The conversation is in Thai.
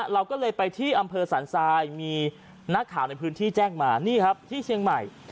เราก็เลยไปที่อำเภอสันทรายมีนักข่าวในพื้นที่แจ้งมานี่ครับที่เชียงใหม่